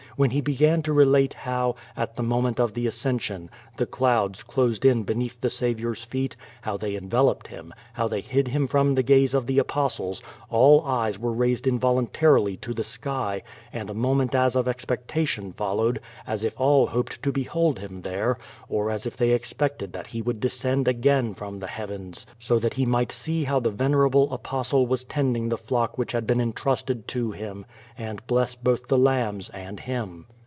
When bo l)egan to relate how, at the moment of the Ascension, the clouds closed in beneath the Saviour's feet, iiow they envelo|)ed Him, how they hid Him from the gaze of the Apostles, all eyes were raised involuntarily to the sky and a moment as of expectation followed, as if all hoped to behold llim tliere, or as if they exi>ected that He would de«?eond again fnmi the heavens so that He might see how the venerable Apostle was tending the tlock which bad been entrusted to him, and bles's both the hmibs and him.